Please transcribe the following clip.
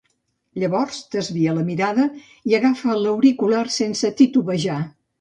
Llavors desvia la mirada i agafa l'auricular sense titubejar.